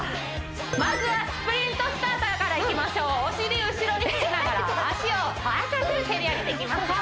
まずはスプリントスターターからいきましょうお尻後ろに引きながら足を高く蹴り上げていきますよ